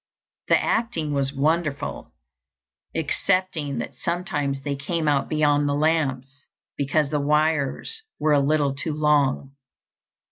The acting was wonderful, excepting that sometimes they came out beyond the lamps, because the wires were a little too long.